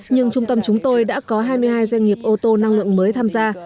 nhưng trung tâm chúng tôi đã có hai mươi hai doanh nghiệp ô tô năng lượng mới tham gia